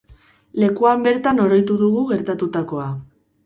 Lekuan bertan oroitu dugu gertatutakoa.